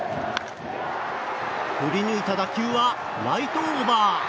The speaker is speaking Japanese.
振り抜いた打球はライトオーバー。